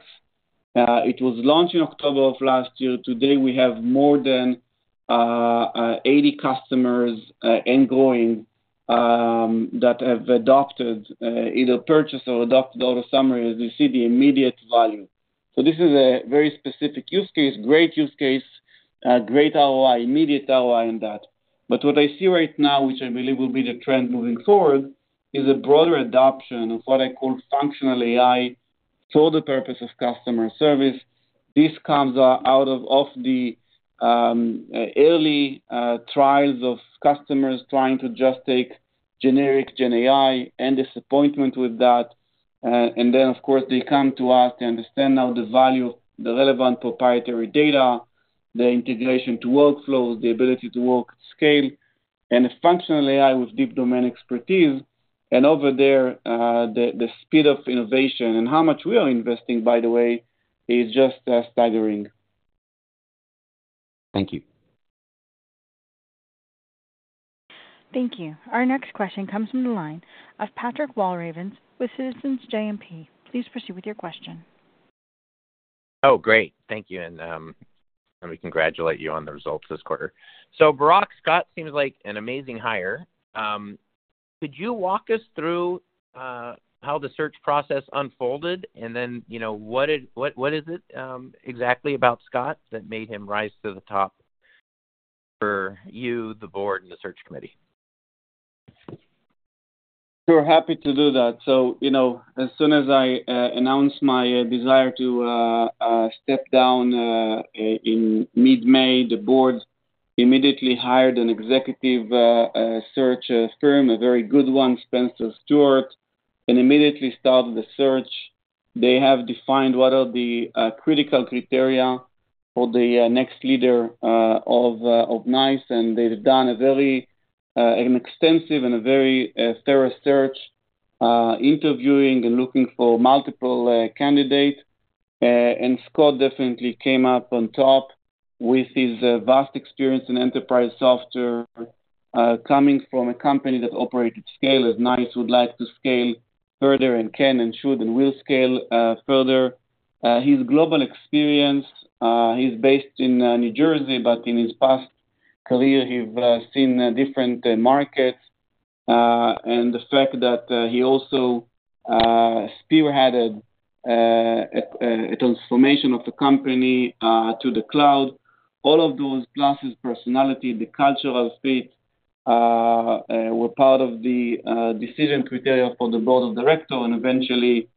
It was launched in October of last year. Today, we have more than 80 customers ongoing that have adopted either purchased or adopted AutoSummary, as you see the immediate value. So this is a very specific use case, great use case, great ROI, immediate ROI in that. But what I see right now, which I believe will be the trend moving forward, is a broader adoption of what I call functional AI for the purpose of customer service. This comes out of the early trials of customers trying to just take generic GenAI and disappointment with that. And then, of course, they come to us. They understand now the value, the relevant proprietary data, the integration to workflows, the ability to work at scale, and a functional AI with deep domain expertise. Over there, the speed of innovation and how much we are investing, by the way, is just staggering. Thank you. Thank you. Our next question comes from the line of Patrick Walravens with Citizens JMP. Please proceed with your question. Oh, great. Thank you. And let me congratulate you on the results this quarter. So, Barak, Scott seems like an amazing hire. Could you walk us through how the search process unfolded? And then, you know, what is it exactly about Scott that made him rise to the top for you, the board, and the search committee? Sure, happy to do that. So, you know, as soon as I announced my desire to step down in mid-May, the board immediately hired an executive search firm, a very good one, Spencer Stuart, and immediately started the search. They have defined what are the critical criteria for the next leader of NICE, and they've done a very an extensive and a very thorough search, interviewing and looking for multiple candidates. And Scott definitely came up on top with his vast experience in enterprise software, coming from a company that operated scale, as NICE would like to scale further and can and should and will scale further. His global experience, he's based in New Jersey, but in his past career, he's seen different markets, and the fact that he also spearheaded a transformation of the company to the cloud. All of those, plus his personality, the cultural fit, were part of the decision criteria for the board of directors. Eventually,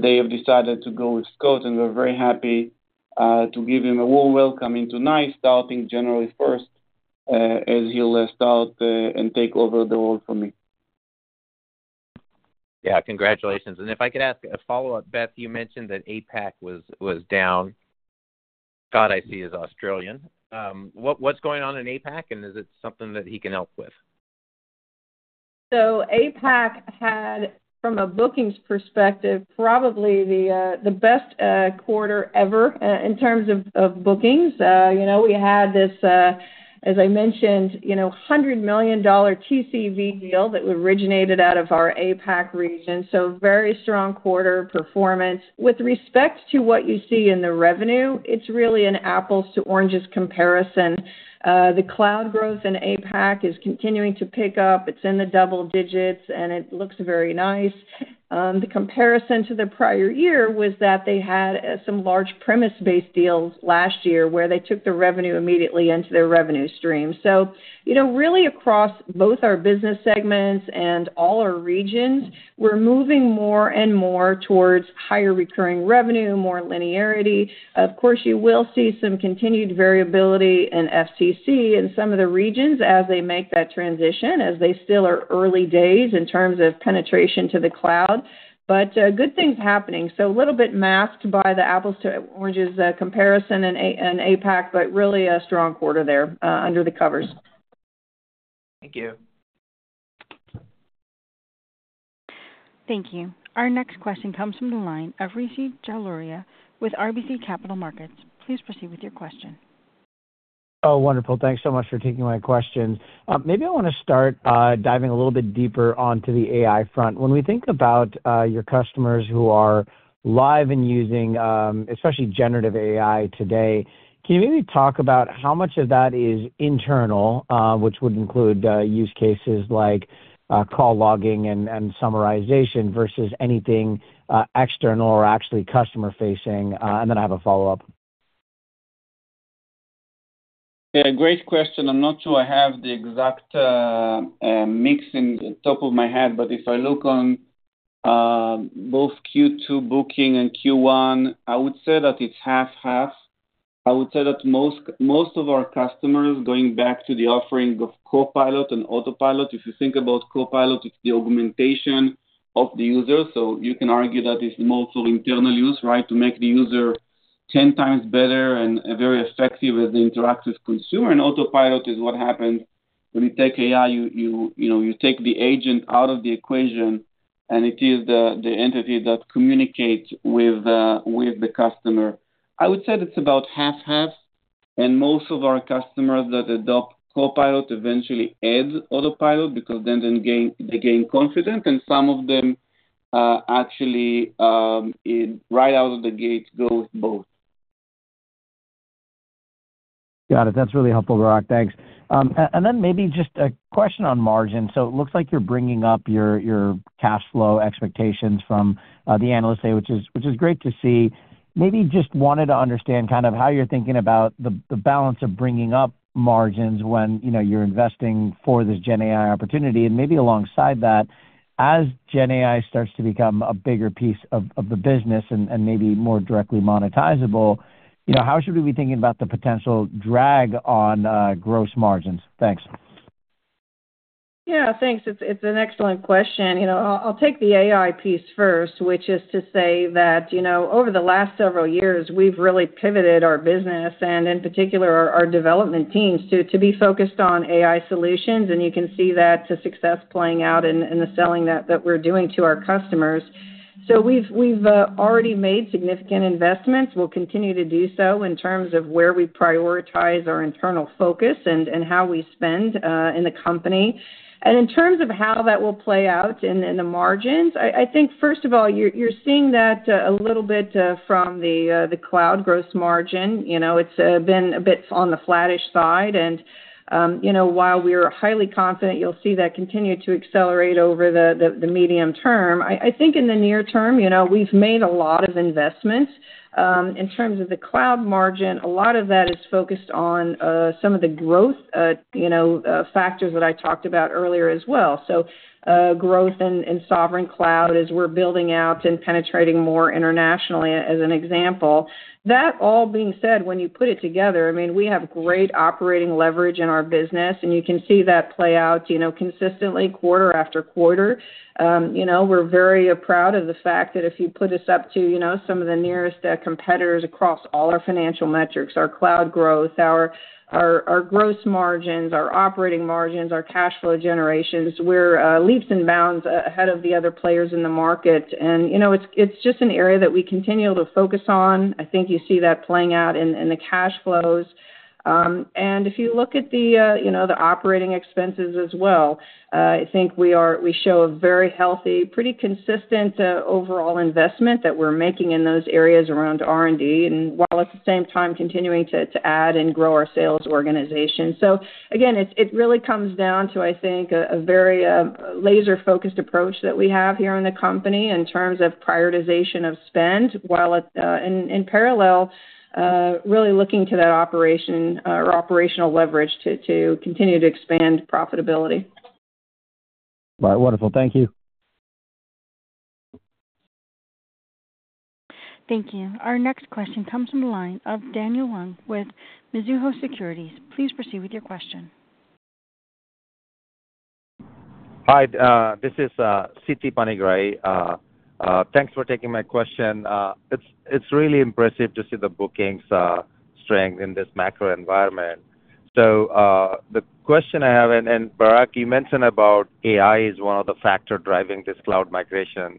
they have decided to go with Scott, and we're very happy to give him a warm welcome into NICE, starting January first, as he'll start and take over the role from me. Yeah, congratulations. If I could ask a follow-up. Beth, you mentioned that APAC was down. Scott, I see, is Australian. What's going on in APAC, and is it something that he can help with? So APAC had, from a bookings perspective, probably the best quarter ever in terms of bookings. You know, we had this, as I mentioned, you know, $100 million TCV deal that originated out of our APAC region, so very strong quarter performance. With respect to what you see in the revenue, it's really an apples to oranges comparison. The cloud growth in APAC is continuing to pick up. It's in the double digits, and it looks very nice. The comparison to the prior year was that they had some large premise-based deals last year, where they took the revenue immediately into their revenue stream. So you know, really across both our business segments and all our regions, we're moving more and more towards higher recurring revenue, more linearity. Of course, you will see some continued variability in FCC in some of the regions as they make that transition, as they still are early days in terms of penetration to the cloud. But, good things happening. So a little bit masked by the apples to oranges comparison in APAC, but really a strong quarter there, under the covers. Thank you. Thank you. Our next question comes from the line of Rishi Jaluria with RBC Capital Markets. Please proceed with your question. Oh, wonderful. Thanks so much for taking my questions. Maybe I want to start, diving a little bit deeper onto the AI front. When we think about, your customers who are live and using, especially generative AI today, can you maybe talk about how much of that is internal, which would include, use cases like, call logging and, and summarization, versus anything, external or actually customer facing? And then I have a follow-up. Yeah, great question. I'm not sure I have the exact mix off the top of my head, but if I look on both Q2 booking and Q1, I would say that it's 50/50. I would say that most of our customers, going back to the offering of Copilot and Autopilot, if you think about Copilot, it's the augmentation of the user. So you can argue that it's mostly internal use, right? To make the user 10 times better and very effective as they interact with consumer. And Autopilot is what happens when you take AI. You know, you take the agent out of the equation, and it is the entity that communicates with the customer. I would say it's about 50/50, and most of our customers that adopt Copilot eventually add Autopilot, because then they gain, they gain confidence, and some of them, actually, right out of the gate, go with both. Got it. That's really helpful, Barak. Thanks. And then maybe just a question on margin. So it looks like you're bringing up your, your cash flow expectations from the Analyst Day, which is, which is great to see. Maybe just wanted to understand kind of how you're thinking about the, the balance of bringing up margins when, you know, you're investing for this GenAI opportunity. And maybe alongside that, as GenAI starts to become a bigger piece of, of the business and, and maybe more directly monetizable, you know, how should we be thinking about the potential drag on gross margins? Thanks. Yeah, thanks. It's an excellent question. You know, I'll take the AI piece first, which is to say that, you know, over the last several years, we've really pivoted our business, and in particular, our development teams, to be focused on AI solutions. And you can see that success playing out in the selling that we're doing to our customers. So we've already made significant investments. We'll continue to do so in terms of where we prioritize our internal focus and how we spend in the company. And in terms of how that will play out in the margins, I think, first of all, you're seeing that a little bit from the cloud gross margin. You know, it's been a bit on the flattish side. You know, while we're highly confident you'll see that continue to accelerate over the medium term, I think in the near term, you know, we've made a lot of investments. In terms of the cloud margin, a lot of that is focused on some of the growth, you know, factors that I talked about earlier as well. So, growth in sovereign cloud as we're building out and penetrating more internationally, as an example. That all being said, when you put it together, I mean, we have great operating leverage in our business, and you can see that play out, you know, consistently, quarter after quarter. You know, we're very proud of the fact that if you put us up to, you know, some of the nearest competitors across all our financial metrics, our cloud growth, our gross margins, our operating margins, our cash flow generations, we're leaps and bounds ahead of the other players in the market. You know, it's just an area that we continue to focus on. I think you see that playing out in the cash flows. And if you look at the, you know, the operating expenses as well, I think we show a very healthy, pretty consistent overall investment that we're making in those areas around R&D, and while at the same time continuing to add and grow our sales organization. So again, it really comes down to, I think, a very laser-focused approach that we have here in the company in terms of prioritization of spend, while, in parallel, really looking to that operation or operational leverage to continue to expand profitability. All right. Wonderful. Thank you. Thank you. Our next question comes from the line of Daniel Wong with Mizuho Securities. Please proceed with your question. Hi, this is Siti Panigrahi. Thanks for taking my question. It's really impressive to see the bookings strength in this macro environment. So, the question I have, and Barak, you mentioned about AI is one of the factor driving this cloud migration.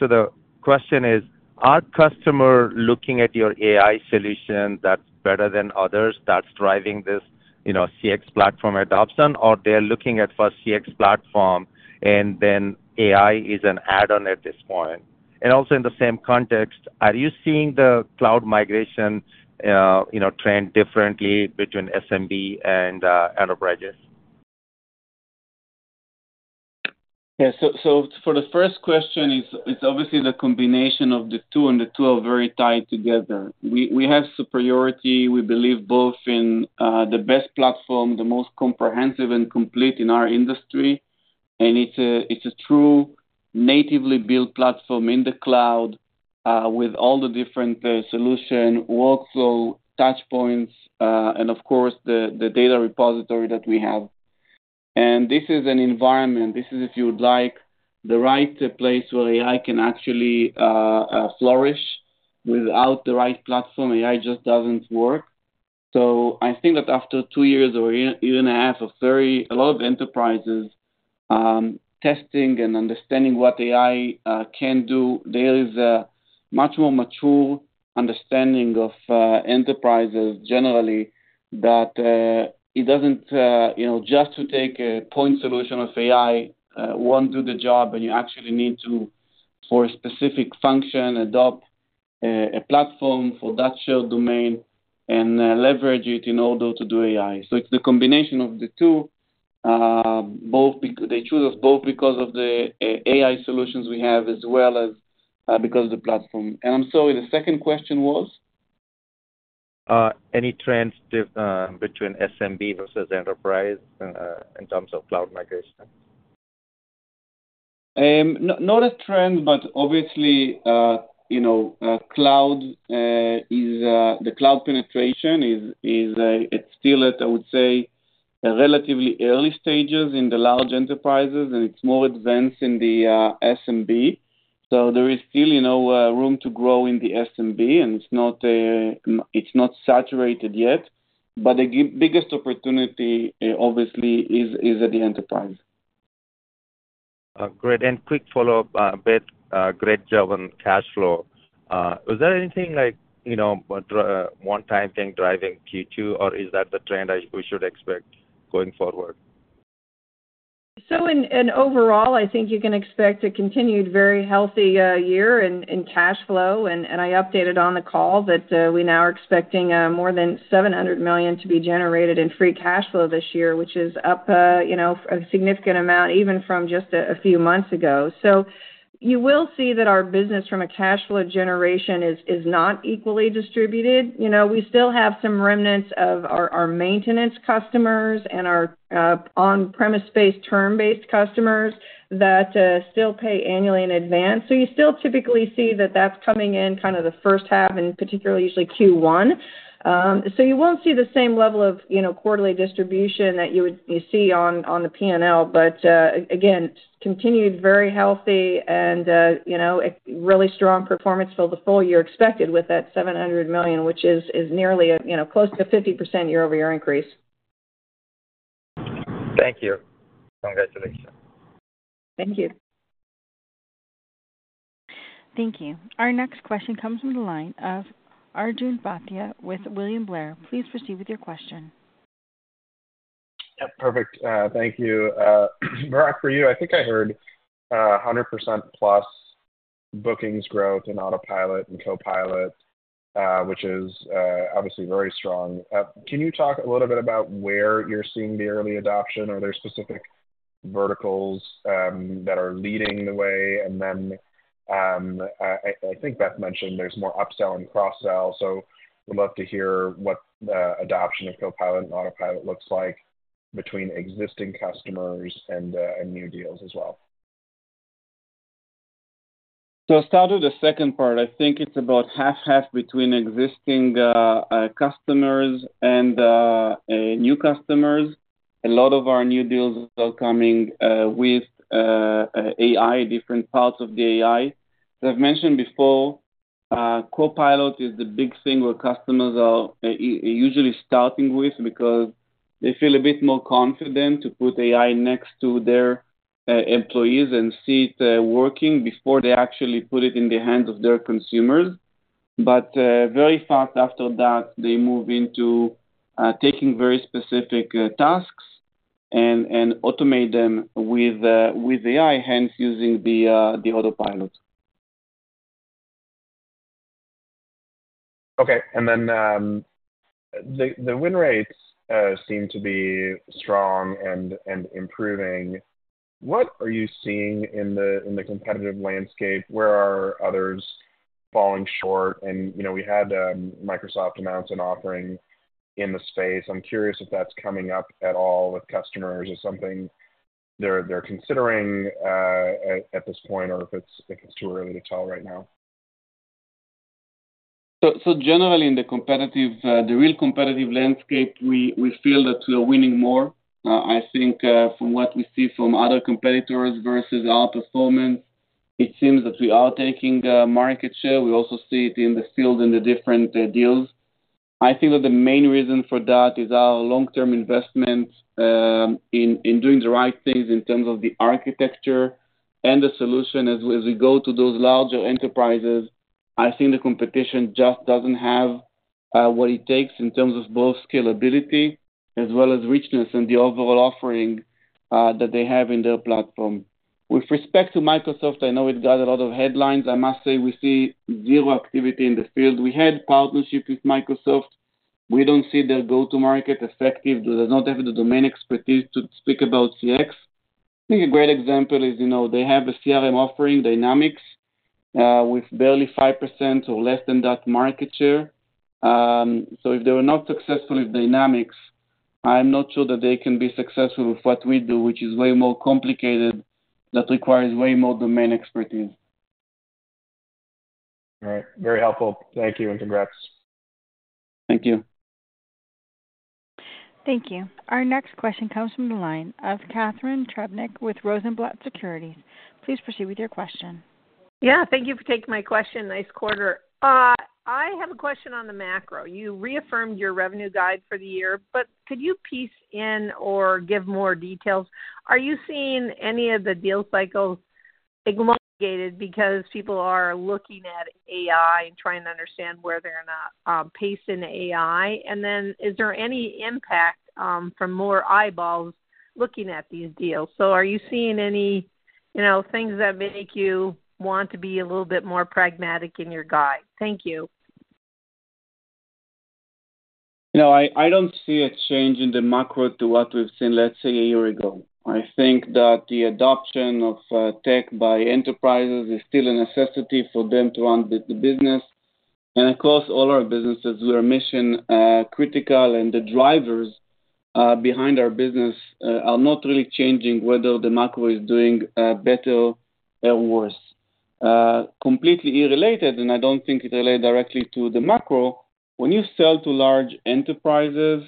So the question is: Are customer looking at your AI solution that's better than others, that's driving this, you know, CX platform adoption, or they're looking at first CX platform, and then AI is an add-on at this point? And also, in the same context, are you seeing the cloud migration, you know, trend differently between SMB and enterprises? Yeah, so for the first question, it's obviously the combination of the two, and the two are very tied together. We have superiority, we believe, both in the best platform, the most comprehensive and complete in our industry, and it's a true natively built platform in the cloud with all the different solution, workflow, touchpoints, and of course, the data repository that we have. And this is an environment, this is, if you would like, the right place where AI can actually flourish. Without the right platform, AI just doesn't work. So I think that after two years, or even a half of 30, a lot of enterprises testing and understanding what AI can do, there is a much more mature understanding of enterprises generally, that it doesn't, you know, just to take a point solution of AI won't do the job, and you actually need to, for a specific function, adopt a platform for that shared domain and leverage it in order to do AI. So it's the combination of the two. Both because they choose us both because of the AI solutions we have, as well as because of the platform. And I'm sorry, the second question was? Any trends different between SMB versus enterprise in terms of cloud migration? Not, not a trend, but obviously, you know, cloud is the cloud penetration is, it's still at, I would say, a relatively early stages in the large enterprises, and it's more advanced in the SMB. So there is still, you know, room to grow in the SMB, and it's not, it's not saturated yet, but the biggest opportunity, obviously, is, is at the enterprise. Great. And quick follow-up, Beth, great job on cash flow. Was there anything like, you know, one-time thing driving Q2, or is that the trend we should expect going forward? So in overall, I think you can expect a continued very healthy year in cash flow. And I updated on the call that we now are expecting more than $700 million to be generated in free cash flow this year, which is up, you know, a significant amount, even from just a few months ago. So you will see that our business, from a cash flow generation, is not equally distributed. You know, we still have some remnants of our maintenance customers and our on-premise-based, term-based customers that still pay annually in advance. So you still typically see that that's coming in kind of the first half, and particularly usually Q1. So, you won't see the same level of, you know, quarterly distribution that you would see on the P&L, but again, continued very healthy and, you know, a really strong performance for the full year expected with that $700 million, which is nearly a, you know, close to a 50% year-over-year increase. Thank you. Congratulations. Thank you. Thank you. Our next question comes from the line of Arjun Bhatia with William Blair. Please proceed with your question. Yep, perfect. Thank you. Barak, for you, I think I heard 100%+ bookings growth in Autopilot and Copilot, which is obviously very strong. Can you talk a little bit about where you're seeing the early adoption? Are there specific verticals that are leading the way? And then, I think Beth mentioned there's more upsell and cross-sell, so would love to hear what adoption of Copilot and Autopilot looks like between existing customers and new deals as well. So I'll start with the second part. I think it's about 50/50 between existing customers and new customers. A lot of our new deals are coming with AI, different parts of the AI. So I've mentioned before, Copilot is the big thing where customers are usually starting with, because they feel a bit more confident to put AI next to their employees and see it working before they actually put it in the hands of their consumers. But very fast after that, they move into taking very specific tasks and automate them with AI, hence using the Autopilot. Okay. And then, the win rates seem to be strong and improving. What are you seeing in the competitive landscape? Where are others falling short? And, you know, we had Microsoft announce an offering in the space. I'm curious if that's coming up at all with customers or something they're considering at this point, or if it's too early to tell right now. So, generally, in the competitive, the real competitive landscape, we feel that we are winning more. I think, from what we see from other competitors versus our performance, it seems that we are taking market share. We also see it in the field in the different deals. I think that the main reason for that is our long-term investment in doing the right things in terms of the architecture and the solution. As we go to those larger enterprises, I think the competition just doesn't have what it takes in terms of both scalability as well as richness and the overall offering that they have in their platform. With respect to Microsoft, I know it got a lot of headlines. I must say we see zero activity in the field. We had partnership with Microsoft. We don't see their go-to-market effective. They do not have the domain expertise to speak about CX. I think a great example is, you know, they have a CRM offering, Dynamics, with barely 5% or less than that market share. So if they were not successful with Dynamics, I'm not sure that they can be successful with what we do, which is way more complicated, that requires way more domain expertise. All right. Very helpful. Thank you, and congrats. Thank you. Thank you. Our next question comes from the line of Catharine Trebnick with Rosenblatt Securities. Please proceed with your question. Yeah, thank you for taking my question. Nice quarter. I have a question on the macro. You reaffirmed your revenue guide for the year, but could you weigh in or give more details? Are you seeing any of the deal cycles elongated because people are looking at AI and trying to understand where they're not placed in AI? And then is there any impact from more eyeballs looking at these deals? So are you seeing any, you know, things that make you want to be a little bit more pragmatic in your guide? Thank you. No, I don't see a change in the macro to what we've seen, let's say, a year ago. I think that the adoption of tech by enterprises is still a necessity for them to run the business. And of course, all our businesses were mission critical, and the drivers behind our business are not really changing whether the macro is doing better or worse. Completely unrelated, and I don't think it relate directly to the macro, when you sell to large enterprises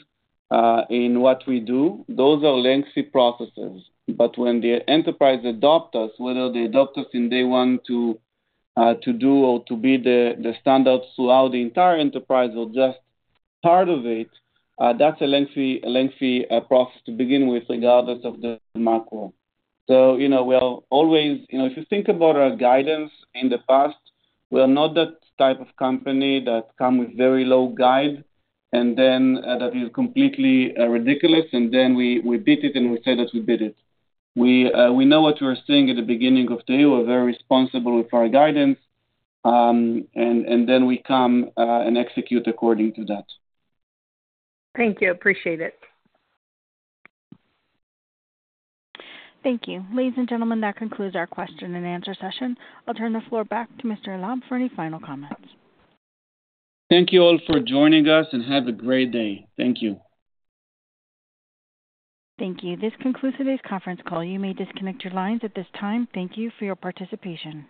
in what we do, those are lengthy processes. But when the enterprise adopt us, whether they adopt us in day one to do or to be the standard throughout the entire enterprise or just part of it, that's a lengthy process to begin with, regardless of the macro. So, you know, we'll always... You know, if you think about our guidance in the past, we're not that type of company that come with very low guide, and then, that is completely, ridiculous, and then we, we beat it, and we say that we beat it. We, we know what we're seeing at the beginning of the day. We're very responsible with our guidance, and, and then we come, and execute according to that. Thank you. Appreciate it. Thank you. Ladies and gentlemen, that concludes our question and answer session. I'll turn the floor back to Mr. Eilam for any final comments. Thank you all for joining us, and have a great day. Thank you. Thank you. This concludes today's conference call. You may disconnect your lines at this time. Thank you for your participation.